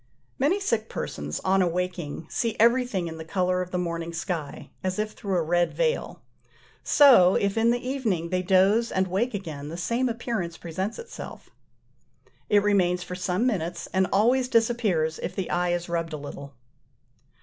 Many sick persons, on awaking, see everything in the colour of the morning sky, as if through a red veil: so, if in the evening they doze and wake again, the same appearance presents itself. It remains for some minutes, and always disappears if the eye is rubbed a little.